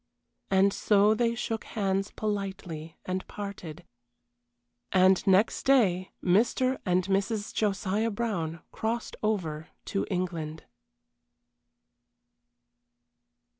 And so they shook hands politely and parted. And next day Mr. and Mrs. Josiah Brown crossed over to England.